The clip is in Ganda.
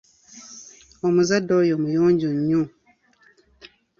Omuzadde oyo muyonjo nnyo.